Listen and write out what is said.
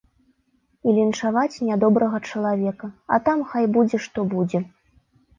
І лінчаваць нядобрага чалавека, а там хай будзе што будзе.